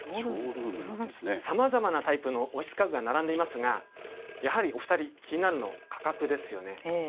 さまざまなタイプのオフィス家具が並んでいますが、やはりお２人、気になるの、価格ですよね。